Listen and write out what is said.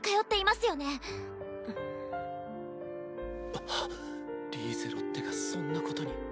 あっリーゼロッテがそんなことに。